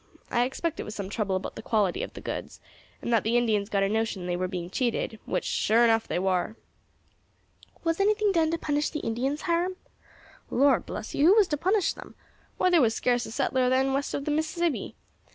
I expect it was some trouble about the quality of the goods, and that the Indians got a notion they were being cheated, which, sure enough, they war." "Was anything done to punish the Indians, Hiram?" "Lor' bless you, who was to punish them? Why, there was scarce a settler then west of the Mississippi.